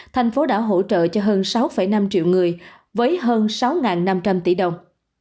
thành phố đã hỗ trợ cho hơn sáu năm triệu người với hơn sáu năm trăm linh tỷ đồng